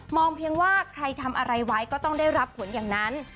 เพียงว่าใครทำอะไรไว้ก็ต้องได้รับผลอย่างนั้น